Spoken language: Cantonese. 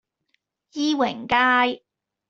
伊榮街